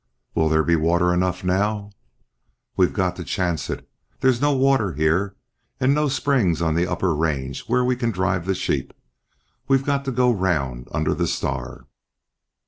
"Will there be water enough now?" "We've got to chance it. There's no water here, and no springs on the upper range where we can drive sheep; we've got to go round under the Star."